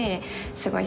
すごい！